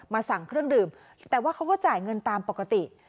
สั่งเครื่องดื่มแต่ว่าเขาก็จ่ายเงินตามปกติ